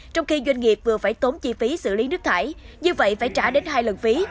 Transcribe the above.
trong khi doanh nghiệp vừa phải tốn chi phí xử lý nước thải như vậy phải trả đến hai lần phí